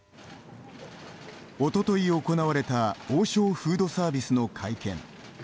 おととい行われた王将フードサービスの会見。